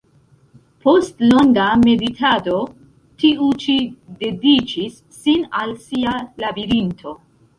Post longa meditado, tiu ĉi dediĉis sin al sia "Labirinto".